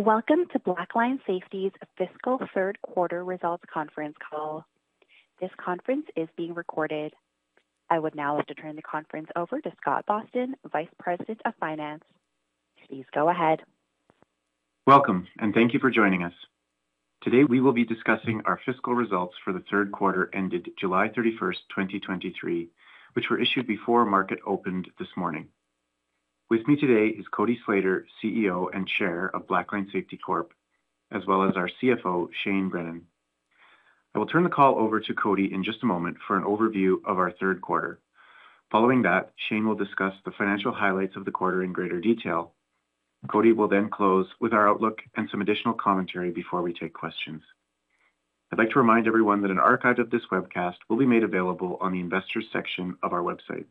Welcome to Blackline Safety's Fiscal Third Quarter Results Conference Call. This conference is being recorded. I would now like to turn the conference over to Scott Boston, Vice President of Finance. Please go ahead. Welcome, and thank you for joining us. Today, we will be discussing our fiscal results for the third quarter, ended July 31, 2023, which were issued before market opened this morning. With me today is Cody Slater, CEO and Chair of Blackline Safety Corp, as well as our CFO, Shane Grennan. I will turn the call over to Cody in just a moment for an overview of our third quarter. Following that, Shane will discuss the financial highlights of the quarter in greater detail. Cody will then close with our outlook and some additional commentary before we take questions. I'd like to remind everyone that an archive of this webcast will be made available on the Investors section of our website.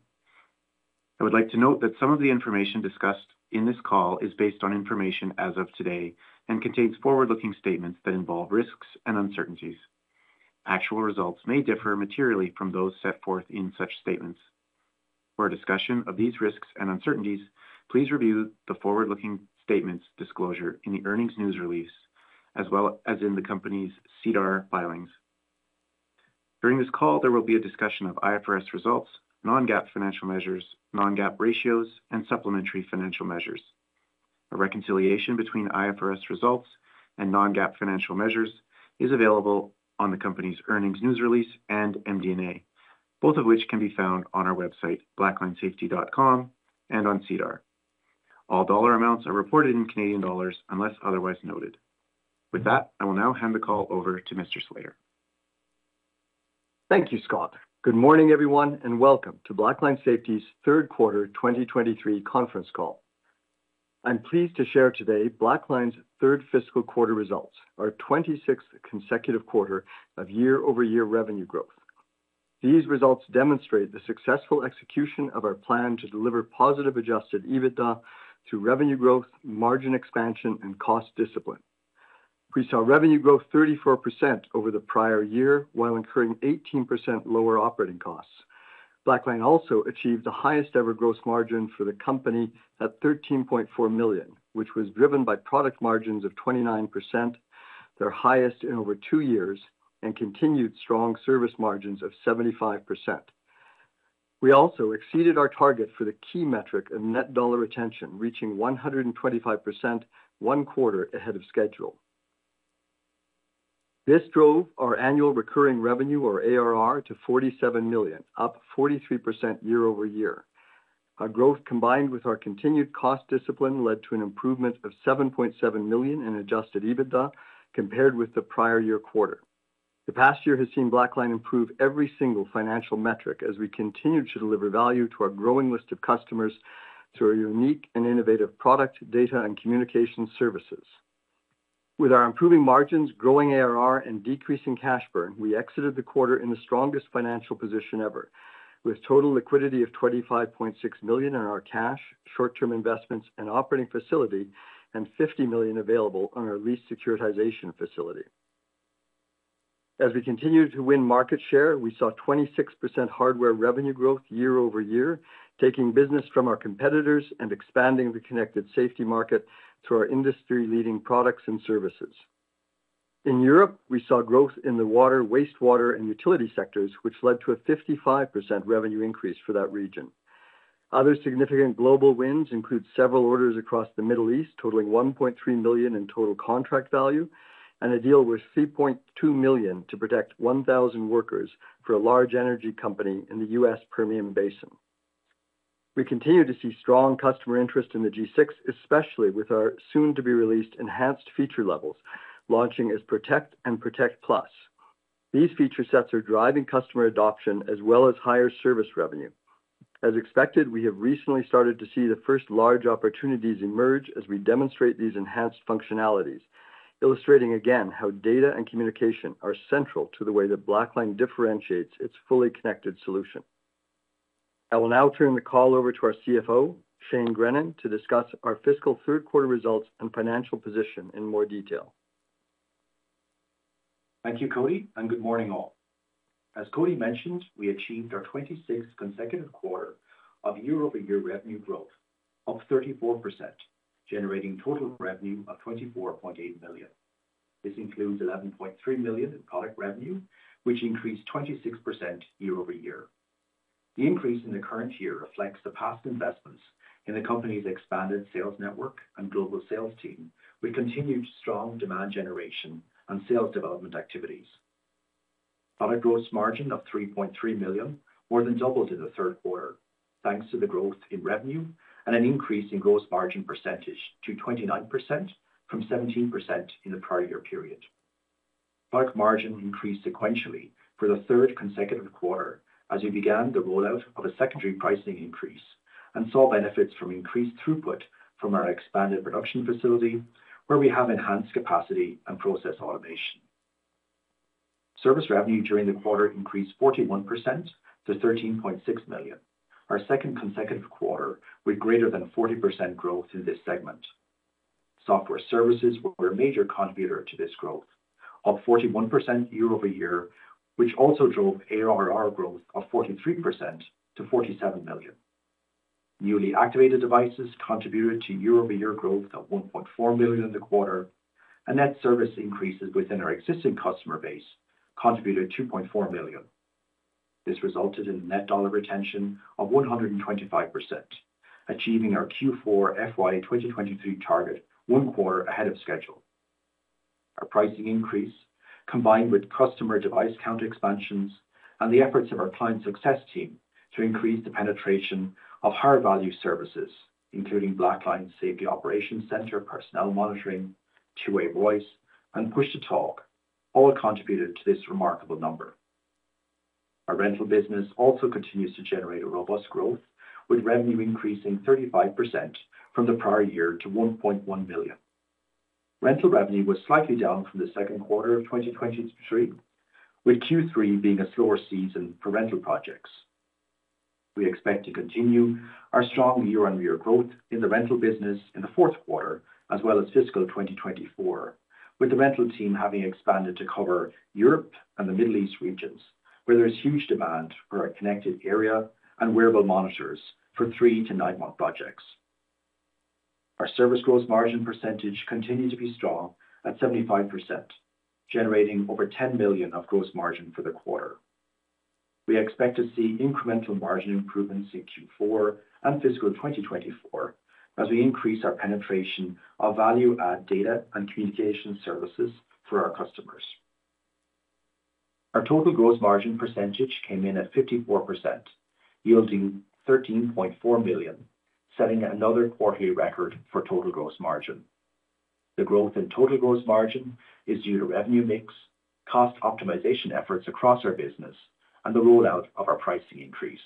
I would like to note that some of the information discussed in this call is based on information as of today and contains forward-looking statements that involve risks and uncertainties. Actual results may differ materially from those set forth in such statements. For a discussion of these risks and uncertainties, please review the forward-looking statements disclosure in the earnings news release, as well as in the company's SEDAR+ filings. During this call, there will be a discussion of IFRS results, non-GAAP financial measures, non-GAAP ratios, and supplementary financial measures. A reconciliation between IFRS results and non-GAAP financial measures is available on the company's earnings news release and MD&A, both of which can be found on our website, blacklinesafety.com, and on SEDAR+. All dollar amounts are reported in Canadian dollars, unless otherwise noted. With that, I will now hand the call over to Mr. Slater. Thank you, Scott. Good morning, everyone, and welcome to Blackline Safety's Third quarter 2023 conference call. I'm pleased to share today Blackline's third fiscal quarter results, our 26th consecutive quarter of year-over-year revenue growth. These results demonstrate the successful execution of our plan to deliver positive Adjusted EBITDA through revenue growth, margin expansion, and cost discipline. We saw revenue growth 34% over the prior year, while incurring 18% lower operating costs. Blackline also achieved the highest ever gross margin for the company at 13.4 million, which was driven by product margins of 29%, their highest in over two years, and continued strong service margins of 75%. We also exceeded our target for the key metric of Net Dollar Retention, reaching 125%, one quarter ahead of schedule. This drove our annual recurring revenue, or ARR, to 47 million, up 43% year-over-year. Our growth, combined with our continued cost discipline, led to an improvement of 7.7 million in Adjusted EBITDA, compared with the prior year quarter. The past year has seen Blackline improve every single financial metric as we continue to deliver value to our growing list of customers through our unique and innovative product, data, and communication services. With our improving margins, growing ARR, and decreasing cash burn, we exited the quarter in the strongest financial position ever, with total liquidity of 25.6 million in our cash, short-term investments, and operating facility, and 50 million available on our lease securitization facility. As we continued to win market share, we saw 26% hardware revenue growth year-over-year, taking business from our competitors and expanding the connected safety market through our industry-leading products and services. In Europe, we saw growth in the water, wastewater, and utility sectors, which led to a 55% revenue increase for that region. Other significant global wins include several orders across the Middle East, totaling 1.3 million in total contract value, and a deal worth $3.2 million to protect 1,000 workers for a large energy company in the U.S. Permian Basin. We continue to see strong customer interest in the G6, especially with our soon-to-be-released enhanced feature levels, launching as Protect and Protect Plus. These feature sets are driving customer adoption as well as higher service revenue. As expected, we have recently started to see the first large opportunities emerge as we demonstrate these enhanced functionalities, illustrating again how data and communication are central to the way that Blackline differentiates its fully connected solution. I will now turn the call over to our CFO, Shane Grennan, to discuss our fiscal third quarter results and financial position in more detail. Thank you, Cody, and good morning, all. As Cody mentioned, we achieved our 26th consecutive quarter of year-over-year revenue growth, up 34%, generating total revenue of 24.8 million. This includes 11.3 million in product revenue, which increased 26% year-over-year. The increase in the current year reflects the past investments in the company's expanded sales network and global sales team, with continued strong demand generation and sales development activities. Product gross margin of 3.3 million more than doubled in the third quarter, thanks to the growth in revenue and an increase in gross margin percentage to 29% from 17% in the prior year period. Product margin increased sequentially for the third consecutive quarter as we began the rollout of a secondary pricing increase and saw benefits from increased throughput from our expanded production facility, where we have enhanced capacity and process automation. Service revenue during the quarter increased 41% to 13.6 million, our second consecutive quarter with greater than 40% growth in this segment. Software services were a major contributor to this growth, up 41% year-over-year, which also drove ARR growth of 43% to 47 million.... newly activated devices contributed to year-over-year growth of 1.4 million in the quarter, and net service increases within our existing customer base contributed 2.4 million. This resulted in a Net Dollar Retention of 125%, achieving our Q4 FY 2023 target one quarter ahead of schedule. Our pricing increase, combined with Customer Device Count expansions and the efforts of our client success team to increase the penetration of higher value services, including Blackline's Safety Operations Center, Personnel Monitoring, Two-Way Voice, and Push-to-Talk, all contributed to this remarkable number. Our rental business also continues to generate a robust growth, with revenue increasing 35% from the prior year to 1.1 million. Rental revenue was slightly down from the second quarter of 2023, with Q3 being a slower season for rental projects. We expect to continue our strong year-on-year growth in the Rental business in the fourth quarter, as well as fiscal 2024, with the rental team having expanded to cover Europe and the Middle East regions, where there's huge demand for our Connected Area and Wearable Monitors for 3- to 9-month projects. Our Service gross margin percentage continued to be strong at 75%, generating over 10 million of gross margin for the quarter. We expect to see incremental margin improvements in Q4 and fiscal 2024 as we increase our penetration of value-add data and communication services for our customers. Our total gross margin percentage came in at 54%, yielding 13.4 million, setting another quarterly record for total gross margin. The growth in total gross margin is due to revenue mix, cost optimization efforts across our business, and the rollout of our pricing increase.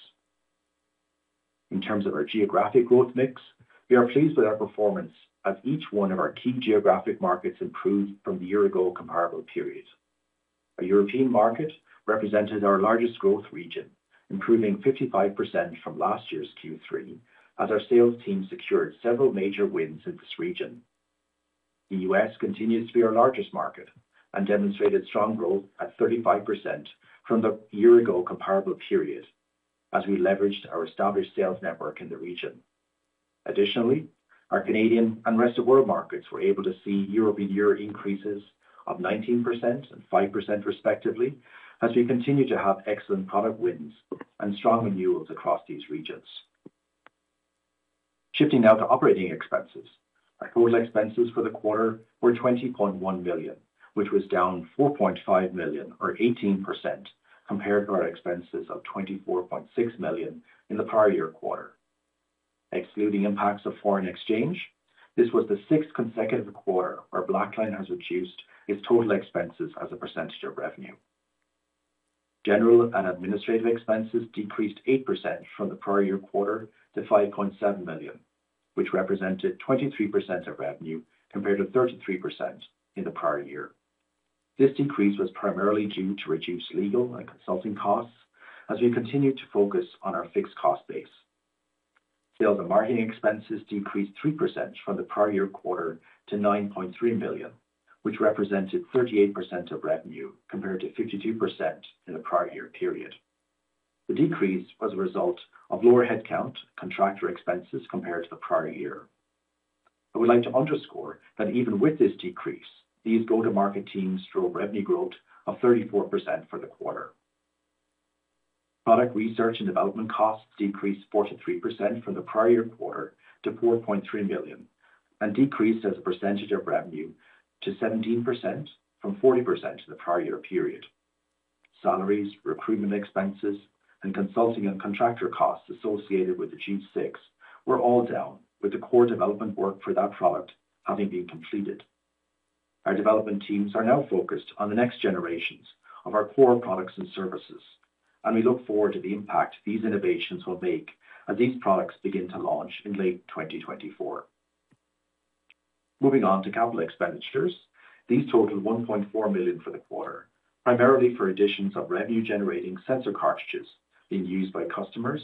In terms of our geographic growth mix, we are pleased with our performance as each one of our key geographic markets improved from the year-ago comparable period. Our European market represented our largest growth region, improving 55% from last year's Q3, as our sales team secured several major wins in this region. The U.S. continues to be our largest market and demonstrated strong growth at 35% from the year-ago comparable period, as we leveraged our established sales network in the region. Additionally, our Canadian and Rest of World markets were able to see year-over-year increases of 19% and 5%, respectively, as we continue to have excellent product wins and strong renewals across these regions. Shifting now to operating expenses. Our total expenses for the quarter were 20.1 million, which was down 4.5 million, or 18%, compared to our expenses of 24.6 million in the prior year quarter. Excluding impacts of foreign exchange, this was the sixth consecutive quarter where Blackline has reduced its total expenses as a percentage of revenue. General and administrative expenses decreased 8% from the prior year quarter to 5.7 million, which represented 23% of revenue, compared to 33% in the prior year. This decrease was primarily due to reduced legal and consulting costs as we continued to focus on our fixed cost base. Sales and marketing expenses decreased 3% from the prior year quarter to 9.3 million, which represented 38% of revenue, compared to 52% in the prior year period. The decrease was a result of lower headcount contractor expenses compared to the prior year. I would like to underscore that even with this decrease, these go-to-market teams drove revenue growth of 34% for the quarter. Product research and development costs decreased 43% from the prior year quarter to 4.3 million, and decreased as a percentage of revenue to 17% from 40% in the prior year period. Salaries, recruitment expenses, and consulting and contractor costs associated with the G6 were all down, with the core development work for that product having been completed. Our development teams are now focused on the next generations of our core products and services, and we look forward to the impact these innovations will make as these products begin to launch in late 2024. Moving on to capital expenditures. These totaled 1.4 million for the quarter, primarily for additions of revenue-generating sensor cartridges being used by customers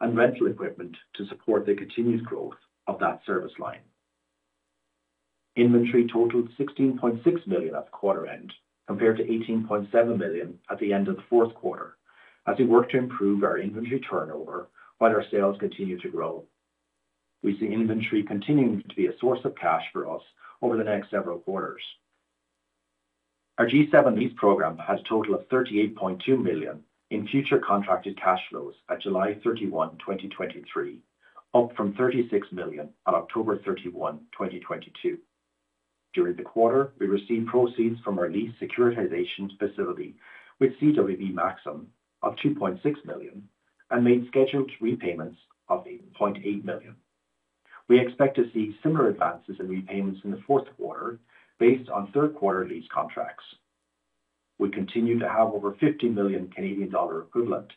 and rental equipment to support the continued growth of that service line. Inventory totaled 16.6 million at the quarter end, compared to 18.7 million at the end of the fourth quarter, as we work to improve our inventory turnover while our sales continue to grow. We see inventory continuing to be a source of cash for us over the next several quarters. Our G7 lease program had a total of 38.2 million in future contracted cash flows at July 31, 2023, up from 36 million on October 31, 2022. During the quarter, we received proceeds from our lease securitization facility with CWB Maxium of 2.6 million and made scheduled repayments of 8.8 million. We expect to see similar advances in repayments in the fourth quarter based on third quarter lease contracts. We continue to have over 50 million Canadian dollar equivalent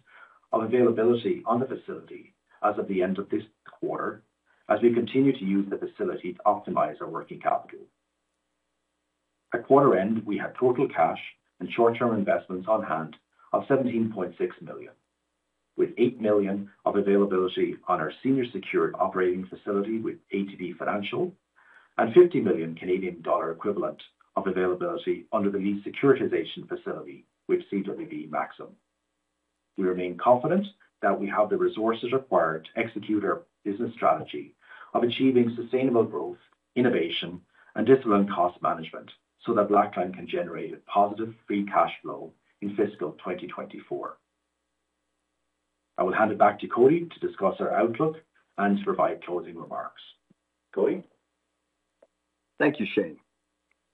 of availability on the facility as of the end of this quarter, as we continue to use the facility to optimize our working capital. At quarter end, we had total cash and short-term investments on hand of 17.6 million, with 8 million of availability on our senior secured operating facility with ATB Financial, and 50 million Canadian dollar equivalent of availability under the lease securitization facility with CWB Maxium. We remain confident that we have the resources required to execute our business strategy of achieving sustainable growth, innovation, and disciplined cost management so that Blackline can generate a positive free cash flow in fiscal 2024. I will hand it back to Cody to discuss our outlook and provide closing remarks. Cody? Thank you, Shane.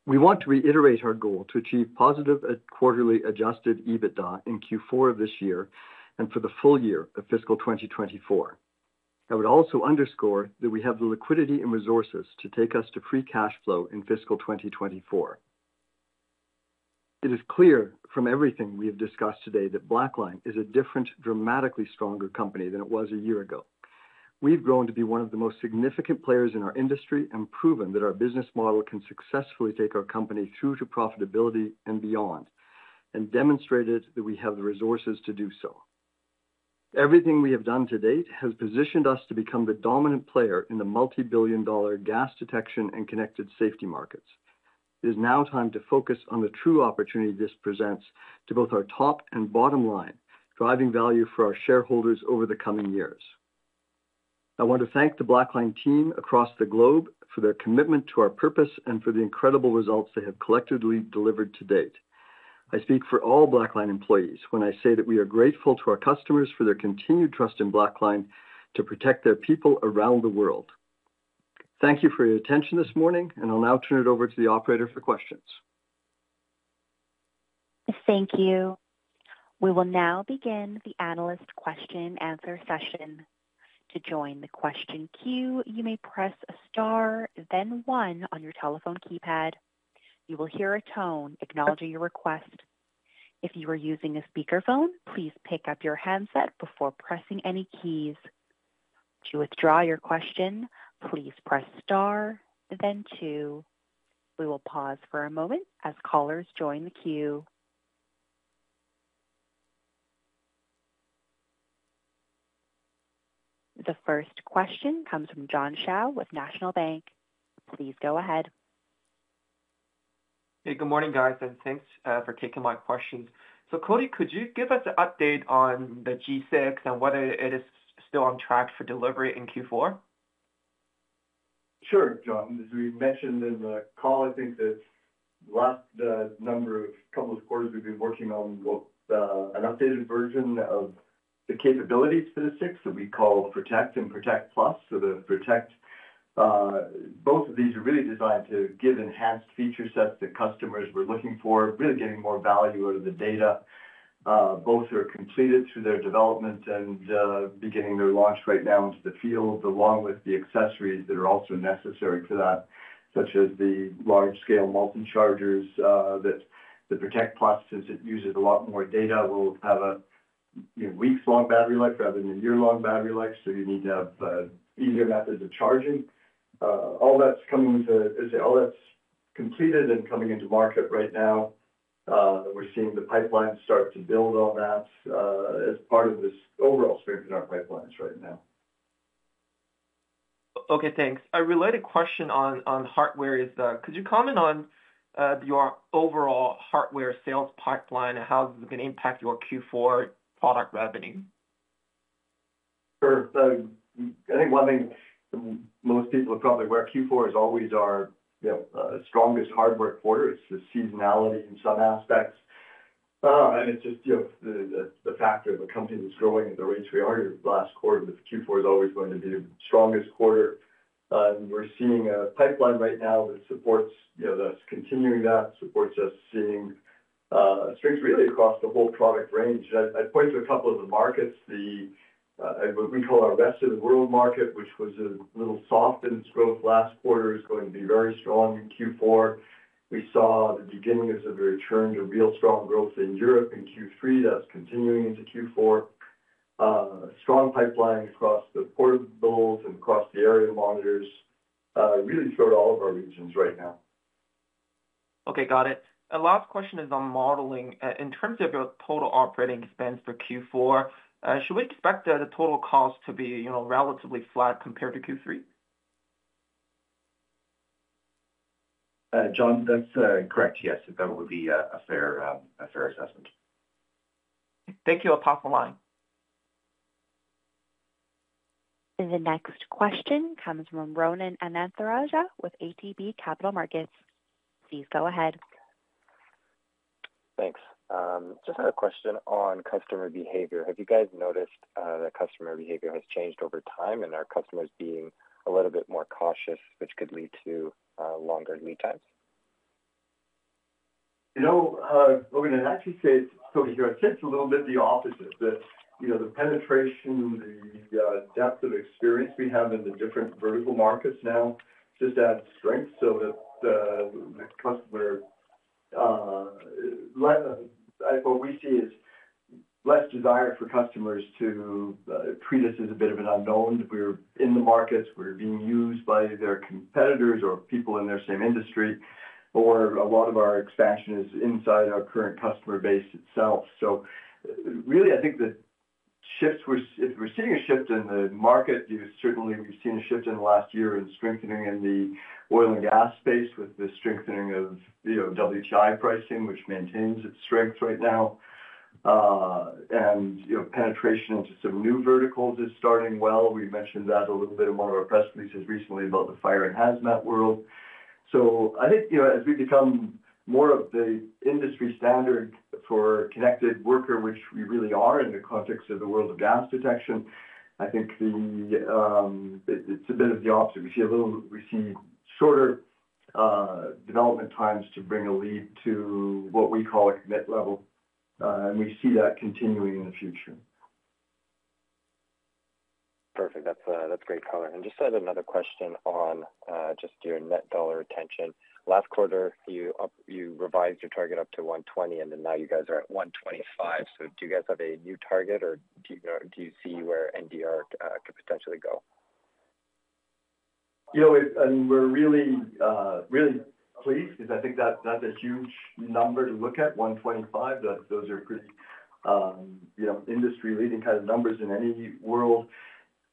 We want to reiterate our goal to achieve positive quarterly Adjusted EBITDA in Q4 of this year and for the full year of fiscal 2024. I would also underscore that we have the liquidity and resources to take us to free cash flow in fiscal 2024. It is clear from everything we have discussed today that Blackline is a different, dramatically stronger company than it was a year ago. We've grown to be one of the most significant players in our industry and proven that our business model can successfully take our company through to profitability and beyond, and demonstrated that we have the resources to do so. Everything we have done to date has positioned us to become the dominant player in the multi-billion-dollar gas detection and connected safety markets. It is now time to focus on the true opportunity this presents to both our top and bottom line, driving value for our shareholders over the coming years. I want to thank the Blackline team across the globe for their commitment to our purpose and for the incredible results they have collectively delivered to date. I speak for all Blackline employees when I say that we are grateful to our customers for their continued trust in Blackline to protect their people around the world. Thank you for your attention this morning, and I'll now turn it over to the operator for questions. Thank you. We will now begin the analyst question-answer session. To join the question queue, you may press star then one on your telephone keypad. You will hear a tone acknowledging your request. If you are using a speakerphone, please pick up your handset before pressing any keys. To withdraw your question, please press star, then two. We will pause for a moment as callers join the queue. The first question comes from John Shao with National Bank. Please go ahead. Hey, good morning, guys, and thanks for taking my questions. So, Cody, could you give us an update on the G6 and whether it is still on track for delivery in Q4? Sure, John. As we mentioned in the call, I think the last couple of quarters, we've been working on an updated version of the capabilities for the G6 that we call Protect and Protect Plus. So, the Protect, both of these are really designed to give enhanced feature sets that customers were looking for, really getting more value out of the data. Both are completed through their development and beginning their launch right now into the field, along with the accessories that are also necessary for that, such as the large-scale multi-chargers that the Protect Plus, since it uses a lot more data, will have a you know weeks-long battery life rather than a year-long battery life. So, you need to have easier methods of charging. All that's coming to... All that's completed and coming into market right now, we're seeing the pipeline start to build on that, as part of this overall strength in our pipelines right now. Okay, thanks. A related question on hardware is, could you comment on your overall hardware sales pipeline and how this is going to impact your Q4 product revenue? Sure. So. I think one thing most people are probably aware, Q4 is always our, you know, strongest hardware quarter. It's the seasonality in some aspects. And it's just, you know, the fact that the company that's growing at the rates we are last quarter, that Q4 is always going to be the strongest quarter. We're seeing a pipeline right now that supports, you know, that's continuing that, supports us seeing strength really across the whole product range. I'd point to a couple of the markets, what we call our Rest of the World market, which was a little soft in its growth last quarter, is going to be very strong in Q4. We saw the beginning of the return to real strong growth in Europe in Q3. That's continuing into Q4. Strong pipeline across the portables and across the area monitors, really showed all of our regions right now. Okay, got it. Last question is on modeling. In terms of your total operating expense for Q4, should we expect the total cost to be, you know, relatively flat compared to Q3? John, that's correct. Yes, that would be a fair assessment. Thank you. I'll pop the line. The next question comes from Rogan Anantharajah with ATB Capital Markets. Please go ahead. Thanks. Just had a question on customer behavior. Have you guys noticed that customer behavior has changed over time, and are customers being a little bit more cautious, which could lead to longer lead times? You know, Rogan, I'd actually say, so it's a little bit the opposite, that, you know, the penetration, the depth of experience we have in the different vertical markets now just adds strength so that the customer what we see is less desire for customers to treat us as a bit of an unknown. We're in the markets. We're being used by their competitors or people in their same industry, or a lot of our expansion is inside our current customer base itself. So really, I think the shifts, if we're seeing a shift in the market, you certainly, we've seen a shift in the last year in strengthening in the oil and gas space with the strengthening of, you know, WTI pricing, which maintains its strength right now. And, you know, penetration into some new verticals is starting well. We mentioned that a little bit in one of our press releases recently about the fire and hazmat world. So, I think, you know, as we become more of the industry standard for connected worker, which we really are in the context of the world of gas detection, I think it's a bit of the opposite. We see shorter development times to bring a lead to what we call a commit level, and we see that continuing in the future. Perfect. That's great color. And just had another question on just your Net Dollar Retention. Last quarter, you revised your target up to 120, and then now you guys are at 125. So, do you guys have a new target, or do you see where NDR could potentially go? You know, and we're really pleased because I think that's a huge number to look at, 125%. Those are pretty, you know, industry-leading kind of numbers in any world.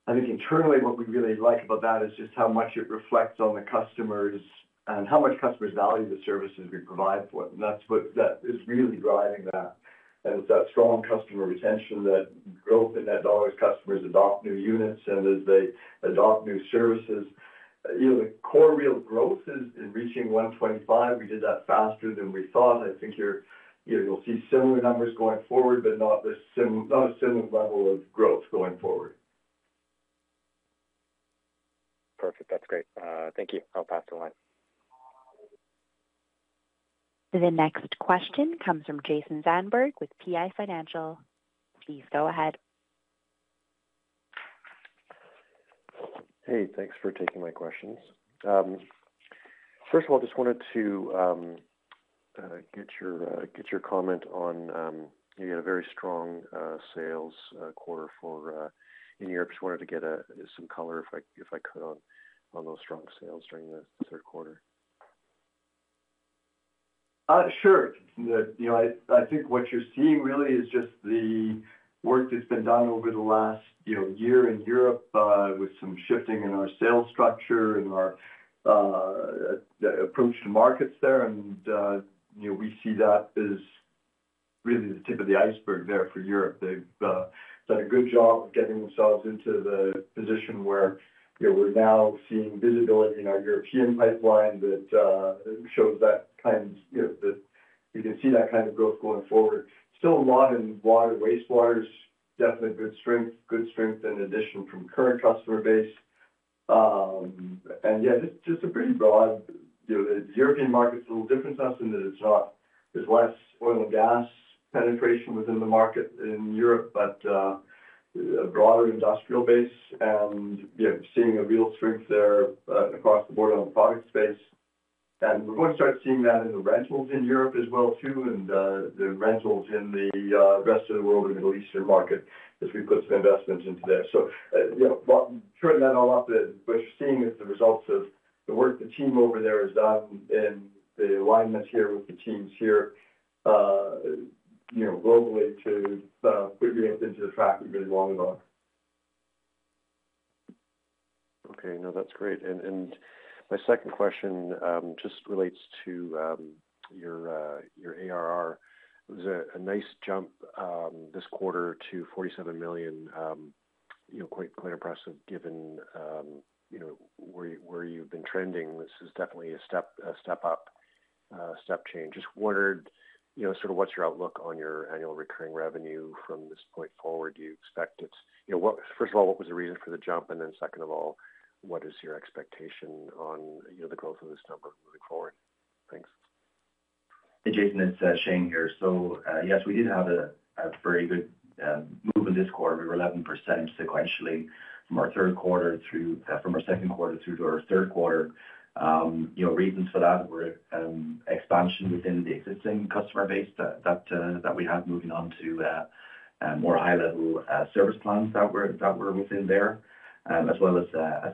I think internally, what we really like about that is just how much it reflects on the customers and how much customers value the services we provide for them, and that's what that is really driving that. And it's that strong customer retention, that growth in net dollars, customers adopt new units, and as they adopt new services. You know, the core real growth is in reaching 125%. We did that faster than we thought. I think you're, you know, you'll see similar numbers going forward, but not a similar level of growth going forward. Perfect. That's great. Thank you. I'll pass the line. The next question comes from Jason Zandberg with PI Financial. Please go ahead. Hey, thanks for taking my questions. First of all, just wanted to get your comment on you had a very strong sales quarter in Europe. Just wanted to get some color, if I could, on those strong sales during the third quarter. Sure. You know, I think what you're seeing really is just the work that's been done over the last, you know, year in Europe, with some shifting in our sales structure and our approach to markets there. You know, we see that as really the tip of the iceberg there for Europe. They've done a good job of getting themselves into the position where, you know, we're now seeing visibility in our European pipeline that shows that kind, you know, that you can see that kind of growth going forward. Still a lot in water, wastewater's definitely a good strength, good strength in addition from current customer base. And yeah, just a pretty broad... You know, the European market's a little different to us in that it's not; there's less oil and gas penetration within the market in Europe, but a broader industrial base and, yeah, seeing a real strength there across the board on the product space. And we're going to start seeing that in the rentals in Europe as well, too, and the rentals in the Rest of the World and Middle East market as we put some investments into there. So, you know, well, turning that all off, that we're seeing is the results of the work the team over there has done and the alignments here with the teams here, you know, globally to put your into the track really long ago. Okay, now, that's great. And my second question just relates to your ARR. It was a nice jump this quarter to 47 million. You know, quite impressive given you know where you've been trending. This is definitely a step up, step change. Just wondered, you know, sort of what's your outlook on your annual recurring revenue from this point forward? ' Do you expect it's... You know, what-- first of all, what was the reason for the jump, and then second of all, what is your expectation on, you know, the growth of this number moving forward? Thanks. Hey, Jason, it's Shane here. So, yes, we did have a very good move in this quarter. We were 11% sequentially from our second quarter through to our third quarter. You know, reasons for that were expansion within the existing customer base that we had, moving on to more high-level service plans that were within there, as well as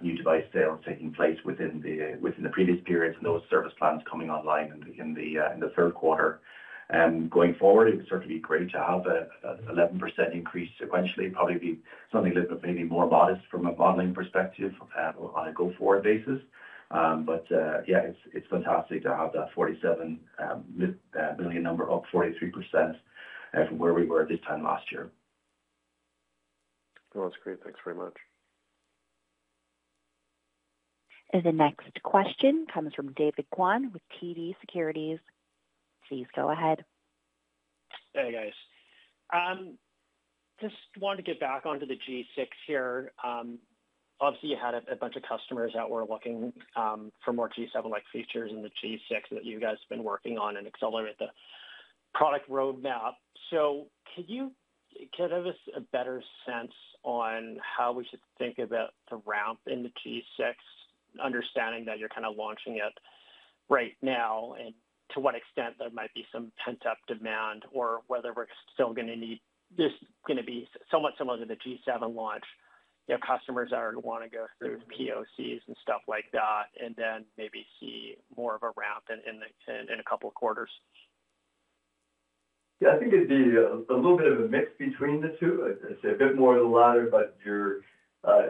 new device sales taking place within the previous periods, and those service plans coming online in the third quarter. Going forward, it would certainly be great to have an 11% increase sequentially. Probably be something a little bit, maybe more modest from a modeling perspective, on a go-forward basis. But, yeah, it's fantastic to have that 47 million number, up 43% from where we were at this time last year. Well, that's great. Thanks very much. The next question comes from David Kwan with TD Securities. Please go ahead. Hey, guys. Just wanted to get back onto the G6 here. Obviously, you had a bunch of customers that were looking for more G7-like features in the G6 that you guys have been working on and accelerate the product roadmap. So, could you give us a better sense on how we should think about the ramp in the G6, understanding that you're kind of launching it right now, and to what extent there might be some pent-up demand or whether we're still going to need - this going to be somewhat similar to the G7 launch. You have customers that are going to want to go through POCs and stuff like that, and then maybe see more of a ramp in a couple of quarters?... Yeah, I think it'd be a little bit of a mix between the two. I'd say a bit more of the latter, but you're,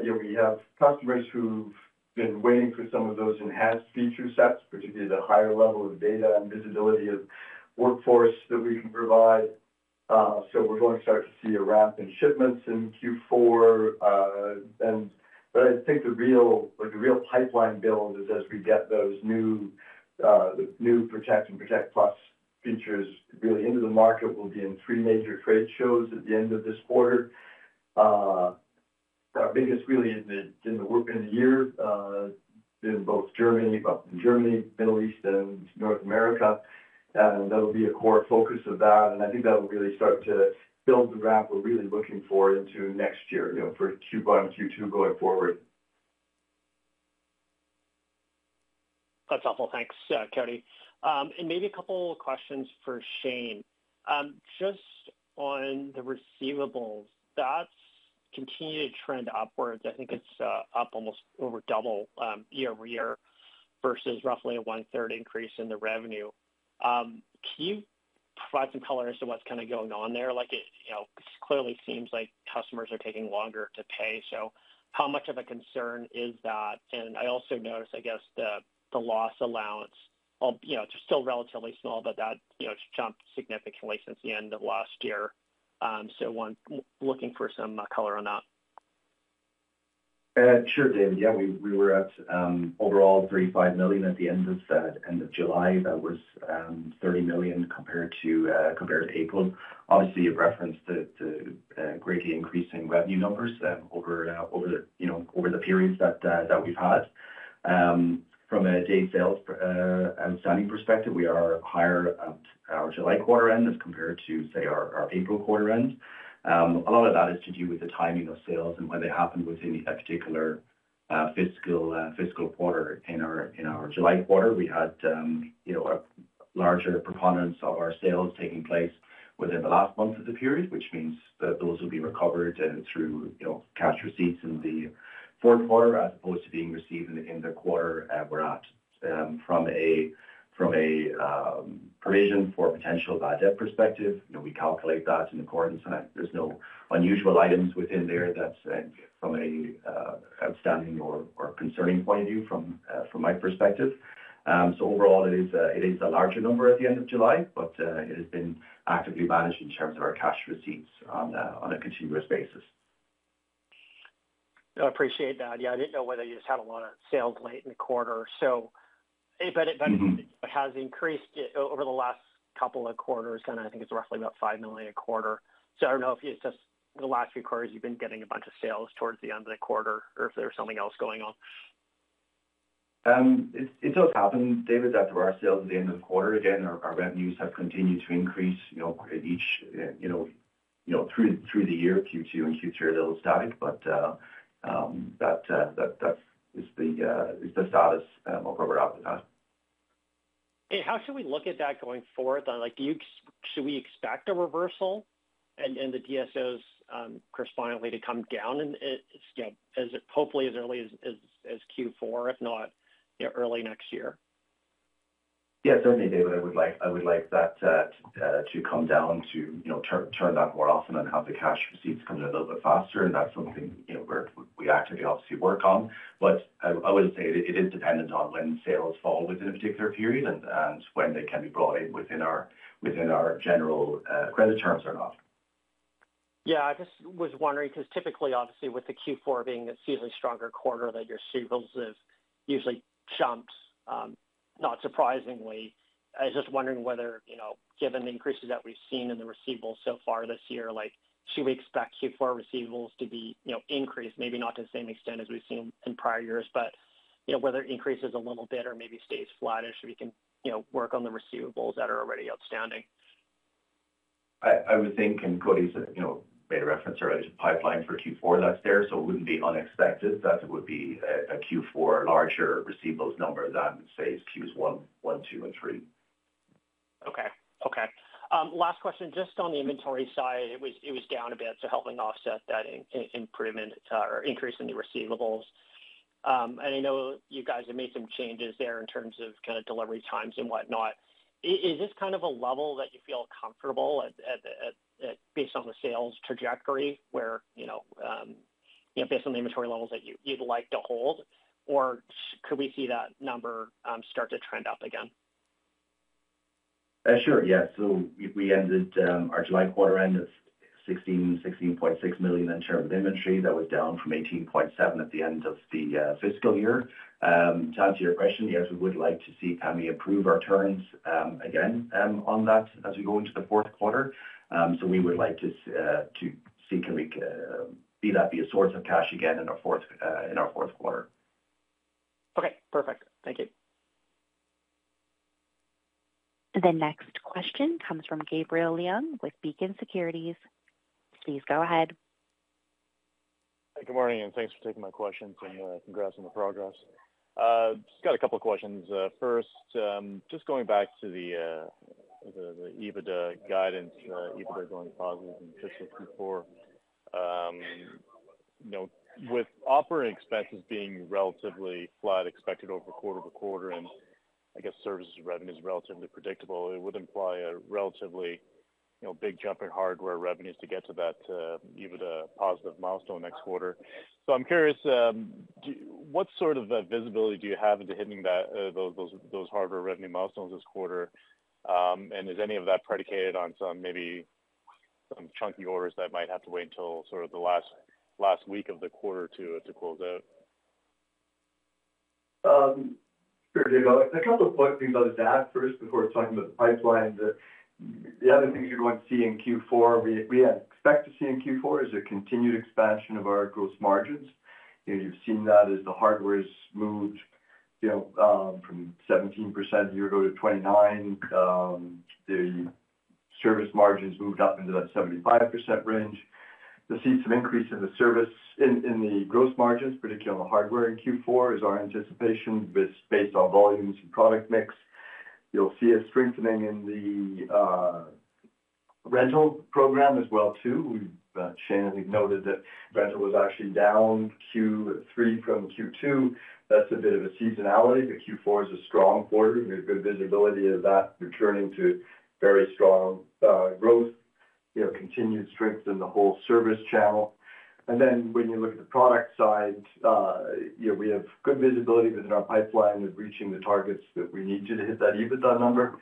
you know, we have customers who've been waiting for some of those enhanced feature sets, particularly the higher level of data and visibility of workforce that we can provide. So, we're going to start to see a ramp in shipments in Q4. And, but I think the real, like, the real pipeline build is as we get those new new Protect and Protect Plus features really into the market. We'll be in three major trade shows at the end of this quarter. Our biggest really is in the, in the work in the year, in both Germany, up in Germany, Middle East, and North America, and that'll be a core focus of that. I think that'll really start to build the wrap we're really looking for into next year, you know, for Q1 and Q2 going forward. That's helpful. Thanks, Cody. And maybe a couple of questions for Shane. Just on the receivables, that's continued to trend upwards. I think it's up almost over double year-over-year versus roughly a one-third increase in the revenue. Can you provide some color as to what's kind of going on there? Like, it, you know, clearly seems like customers are taking longer to pay, so how much of a concern is that? And I also noticed, I guess, the loss allowance, you know, just still relatively small, but that, you know, jumped significantly since the end of last year. So, one-- looking for some color on that. Sure, David. Yeah, we, we were at, overall, 35 million at the end of end of July. That was, 30 million compared to, compared to April. Obviously, you've referenced the, the, greatly increasing revenue numbers, over, over the, you know, over the periods that, that we've had. From a Days Sales outstanding perspective, we are higher at our July quarter end as compared to, say, our, our April quarter end. A lot of that is to do with the timing of sales and when they happened within a particular, fiscal, fiscal quarter. In our July quarter, you know, a larger preponderance of our sales taking place within the last month of the period, which means that those will be recovered through, you know, cash receipts in the fourth quarter, as opposed to being received in the quarter we're at. From a provision for potential bad debt perspective, you know, we calculate that in accordance, and there's no unusual items within there that's from a outstanding or concerning point of view from my perspective. So overall, it is a larger number at the end of July, but it has been actively managed in terms of our cash receipts on a continuous basis. I appreciate that. Yeah, I didn't know whether you just had a lot of sales late in the quarter, so... But it- Mm-hmm. has increased it over the last couple of quarters, and I think it's roughly about 5 million a quarter. So, I don't know if it's just the last few quarters you've been getting a bunch of sales towards the end of the quarter or if there's something else going on. It does happen, David, that there are sales at the end of the quarter. Again, our revenues have continued to increase, you know, at each, you know, through the year. Q2 and Q3 are a little static, but that is the status of where we're at with that. How should we look at that going forward? Like, should we expect a reversal and the DSOs correspondingly to come down and you know, as hopefully as early as Q4, if not, you know, early next year? Yes, certainly, David. I would like, I would like that to come down to, you know, turn, turn that more often and have the cash receipts come in a little bit faster. And that's something, you know, we actively obviously work on. But I would say it is dependent on when sales fall within a particular period and when they can be brought in within our general credit terms or not. Yeah, I just was wondering, because typically, obviously, with the Q4 being a seasonally stronger quarter, that your receivables usually jumps, not surprisingly. I was just wondering whether, you know, given the increases that we've seen in the receivables so far this year, like, should we expect Q4 receivables to be, you know, increased? Maybe not to the same extent as we've seen in prior years, but, you know, whether it increases a little bit or maybe stays flattish, so we can, you know, work on the receivables that are already outstanding. I would think, and Cody's, you know, made a reference earlier to the pipeline for Q4 that's there, so it wouldn't be unexpected that it would be a Q4 larger receivables number than, say, Q1, Q2, and Q3. Okay. Okay. Last question, just on the inventory side, it was down a bit, so helping offset that improvement or increase in the receivables. And I know you guys have made some changes there in terms of kind of delivery times and whatnot. Is this kind of a level that you feel comfortable at, based on the sales trajectory, where, you know, you know, based on the inventory levels that you'd like to hold, or could we see that number start to trend up again? Sure. Yeah. So, we ended our July quarter end of 16.6 million in terms of inventory. That was down from 18.7 million at the end of the fiscal year. To answer your question, yes, we would like to see can we improve our terms again on that as we go into the fourth quarter. So, we would like to see can we see that be a source of cash again in our fourth quarter. Okay, perfect. Thank you. The next question comes from Gabriel Leung with Beacon Securities. Please go ahead. Good morning, and thanks for taking my questions, and congrats on the progress. Just got a couple questions. First, just going back to the EBITDA guidance, EBITDA going positive in fiscal Q4. You know, with operating expenses being relatively flat, expected over quarter to quarter, and I guess services revenue is relatively predictable, it would imply a relatively, you know, big jump in hardware revenues to get to that EBITDA positive milestone next quarter. So, I'm curious, what sort of visibility do you have into hitting that those hardware revenue milestones this quarter? And is any of that predicated on some, maybe some chunky orders that might have to wait until sort of the last week of the quarter to close out? Sure, David. I'll try to point things out to that first before talking about the pipeline. The other thing you're going to see in Q4, we expect to see in Q4, is a continued expansion of our gross margins. You know, you've seen that as the hardware's moved, you know, from 17% a year ago to 29%, the service margins moved up into that 75% range. To see some increase in the Service, in the gross margins, particularly on the hardware in Q4, is our anticipation, but based on volumes and product mix. You'll see a strengthening in the Rental program as well, too. Shane has noted that Rental was actually down Q3 from Q2. That's a bit of a seasonality, but Q4 is a strong quarter. We have good visibility of that returning to very strong, growth, you know, continued strength in the whole Service channel. Then when you look at the product side, you know, we have good visibility within our pipeline of reaching the targets that we need to hit that EBITDA number.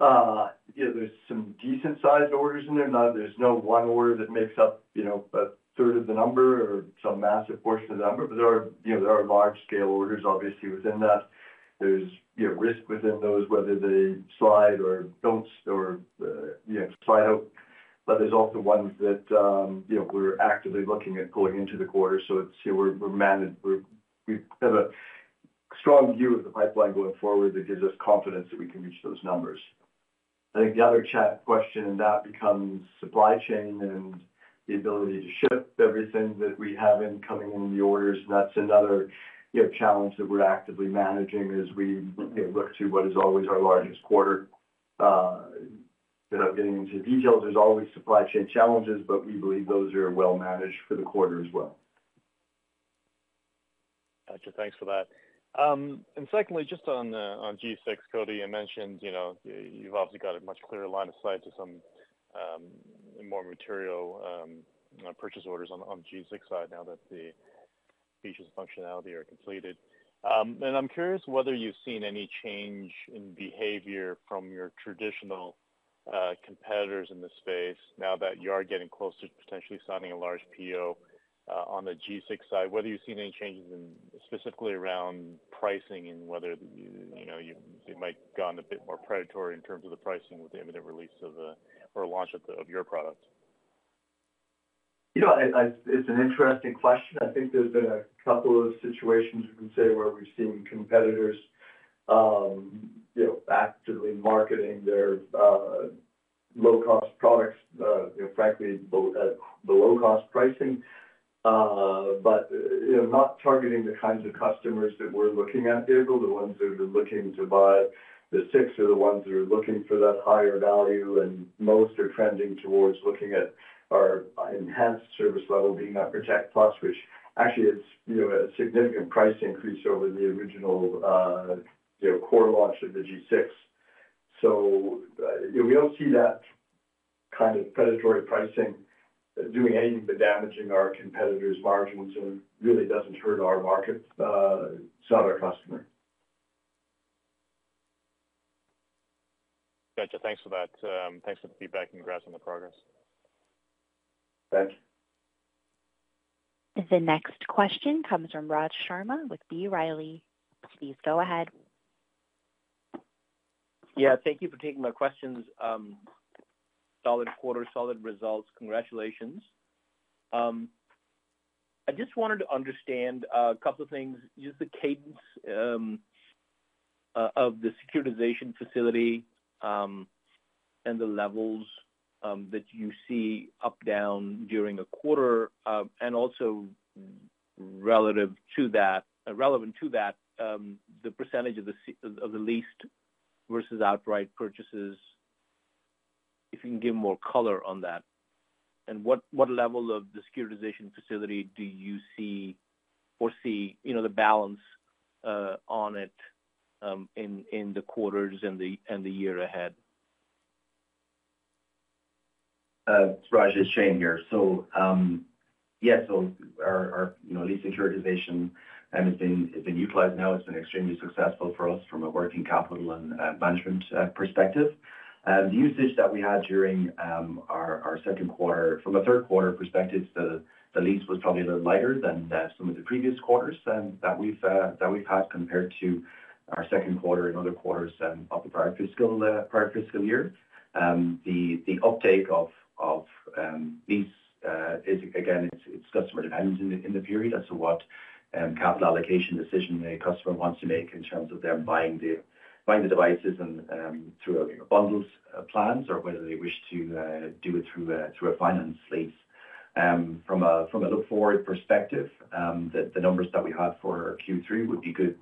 Yeah, there's some decent sized orders in there. There's no one order that makes up, you know, a third of the number or some massive portion of the number, but there are, you know, there are large scale orders obviously within that. There's, you know, risk within those, whether they slide or don't or, you know, slide out. But there's also ones that, you know, we're actively looking at going into the quarter. So, it's, you know, we're managed. We have a strong view of the pipeline going forward that gives us confidence that we can reach those numbers. I think the other chat question, and that becomes supply chain and the ability to ship everything that we have incoming in the orders. And that's another, you know, challenge that we're actively managing as we, you know, look to what is always our largest quarter. Without getting into details, there's always supply chain challenges, but we believe those are well managed for the quarter as well. Got you. Thanks for that. And secondly, just on the, on G6, Cody, you mentioned, you know, you've obviously got a much clearer line of sight to some, more material, purchase orders on the, on G6 side now that the features and functionality are completed. And I'm curious whether you've seen any change in behavior from your traditional, competitors in the space now that you are getting closer to potentially signing a large PO, on the G6 side. Whether you've seen any changes in specifically around pricing and whether, you know, you, it might have gone a bit more predatory in terms of the pricing with the imminent release of the, or launch of the, of your products? You know, it's an interesting question. I think there's been a couple of situations you can say, where we've seen competitors, you know, actively marketing their low-cost products, you know, frankly, at the low-cost pricing. But, you know, not targeting the kinds of customers that we're looking at, David, the ones who are looking to buy the G6 are the ones who are looking for that higher value, and most are trending towards looking at our enhanced service level, being our Protect Plus, which actually is, you know, a significant price increase over the original, you know, core launch of the G6. So, we don't see that kind of predatory pricing doing anything but damaging our competitors' margins and really doesn't hurt our market sell-to customer. Got you. Thanks for that. Thanks for the feedback, and congrats on the progress. Thanks. The next question comes from Raj Sharma with B. Riley. Please go ahead. Yeah, thank you for taking my questions. Solid quarter, solid results. Congratulations. I just wanted to understand a couple of things, just the cadence of the securitization facility, and the levels that you see up, down during a quarter, and also relative to that—relevant to that, the percentage of the leased versus outright purchases, if you can give more color on that. And what level of the securitization facility do you see, you know, the balance on it, in the quarters and the year ahead? Raj, it's Shane here. So, yeah, so our, our, you know, lease securitization has been, it's been utilized now. It's been extremely successful for us from a working capital and management perspective. The usage that we had during our second quarter. From a third quarter perspective, the lease was probably a little lighter than some of the previous quarters that we've had compared to our second quarter and other quarters of the prior fiscal year. The uptake of lease is, again, it's customer dependent in the period as to what capital allocation decision a customer wants to make in terms of them buying the devices and through our bundles plans or whether they wish to do it through a finance lease. From a look-forward perspective, the numbers that we have for Q3 would be good.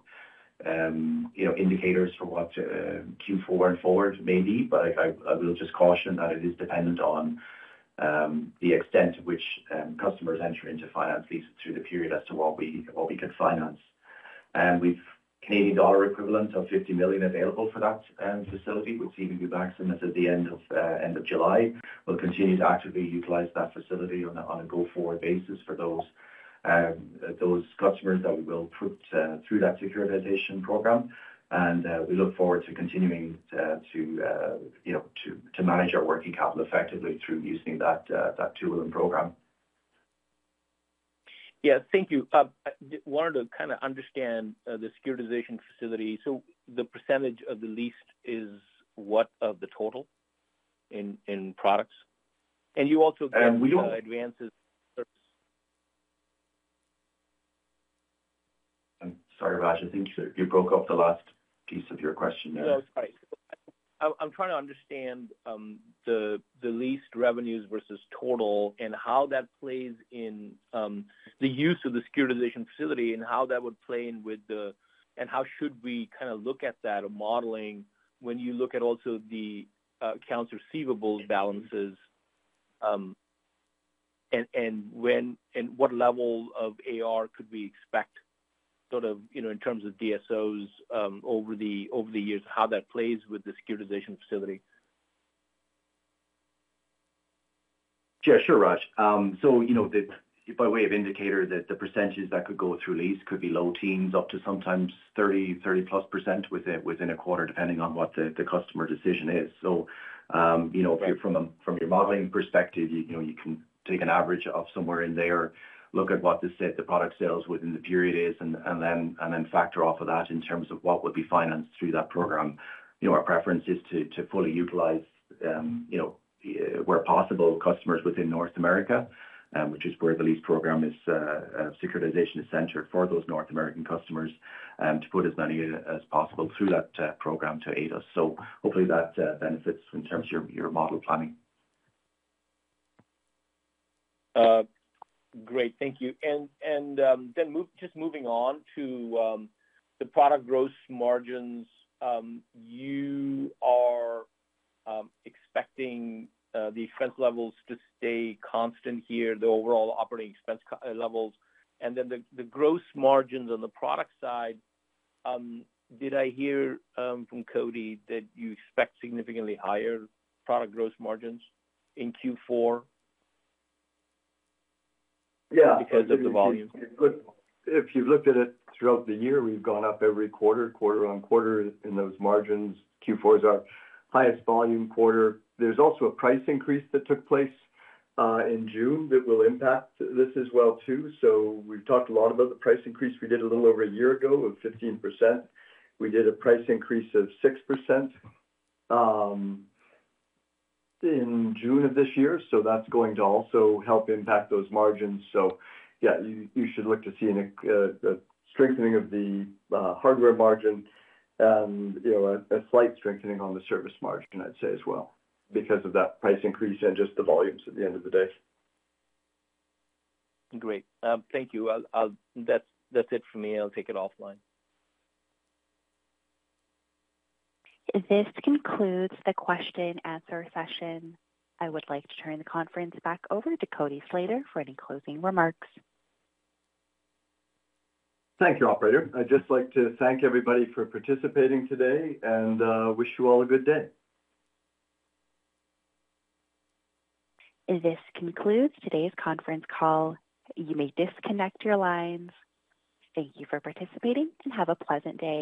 You know, indicators for what Q4 and forward may be, but I will just caution that it is dependent on the extent to which customers enter into finance leases through the period as to what we can finance. With Canadian dollar equivalent of 50 million available for that facility, which even be back to us at the end of July. We'll continue to actively utilize that facility on a go-forward basis for those customers that we will put through that securitization program. We look forward to continuing to, you know, to manage our working capital effectively through using that tool and program. Yeah. Thank you. I wanted to kind of understand the securitization facility. So, the percentage of the leased is what of the total in products? And you also- And we don't- ...advances. I'm sorry, Raj. I think you broke up the last piece of your question there. No, sorry. I'm trying to understand the leased revenues versus total and how that plays in the use of the securitization facility and how that would play in with the... And how should we kind of look at that or modeling when you look at also the accounts receivable balances, and when, and what level of AR could we expect sort of, you know, in terms of DSOs over the years, how that plays with the securitization facility? Yeah, sure, Raj. So, you know, by way of indicator, that the percentages that could go through lease could be low teens, up to sometimes 30%, 30+ % within a quarter, depending on what the customer decision is. So, you know, from your modeling perspective, you know, you can take an average of somewhere in there, look at what the net product sales within the period is, and then factor off of that in terms of what would be financed through that program. You know, our preference is to fully utilize, you know, where possible, customers within North America, which is where the lease program securitization is centered for those North American customers, to put as many as possible through that program to aid us. Hopefully that benefits in terms of your model planning. Great. Thank you. Just moving on to the product gross margins. You are expecting the expense levels to stay constant here, the overall operating expense levels, and then the gross margins on the product side, did I hear from Cody that you expect significantly higher product gross margins in Q4? Yeah. Because of the volume. If you've looked at it throughout the year, we've gone up every quarter-over-quarter in those margins. Q4 is our highest volume quarter. There's also a price increase that took place in June that will impact this as well, too. So, we've talked a lot about the price increase we did a little over a year ago of 15%. We did a price increase of 6% in June of this year, so that's going to also help impact those margins. So yeah, you should look to see a strengthening of the hardware margin and, you know, a slight strengthening on the service margin, I'd say as well, because of that price increase and just the volumes at the end of the day. Great. Thank you. I'll... That's it for me. I'll take it offline. This concludes the question-and-answer session. I would like to turn the conference back over to Cody Slater for any closing remarks. Thank you, operator. I'd just like to thank everybody for participating today and wish you all a good day. This concludes today's conference call. You may disconnect your lines. Thank you for participating and have a pleasant day.